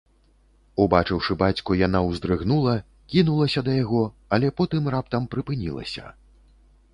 Убачыўшы бацьку, яна ўздрыгнула, кінулася да яго, але потым раптам прыпынілася.